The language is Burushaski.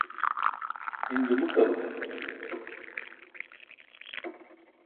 in dumuṭalumo